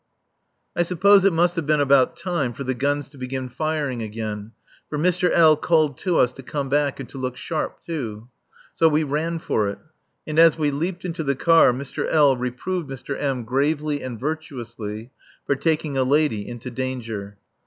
I suppose it must have been about time for the guns to begin firing again, for Mr. L. called to us to come back and to look sharp too. So we ran for it. And as we leaped into the car Mr. L. reproved Mr. M. gravely and virtuously for "taking a lady into danger."